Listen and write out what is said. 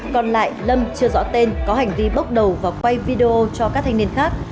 còn lại lâm chưa rõ tên có hành vi bốc đầu và quay video cho các thanh niên khác